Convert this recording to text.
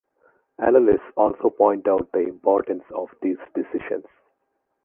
Analysts also point out the importance of these decisions.